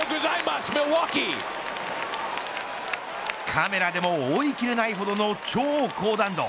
カメラでも追いきれないほどの超高弾道。